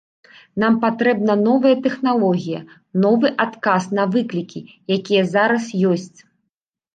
Нам патрэбна новая тэхналогія, новы адказ на выклікі, якія зараз ёсць.